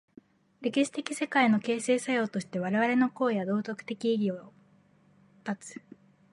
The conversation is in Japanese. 歴史的世界の形成作用として我々の行為は道徳的意義を有つ。